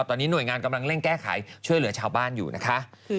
ตอนนี้หน่วยงานกำลังเร่งแก้ไขช่วยเหลือชาวบ้านอยู่นะคะ